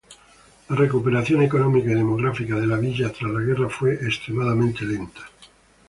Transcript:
La recuperación económica y demográfica de la villa tras la guerra fue extremadamente lenta.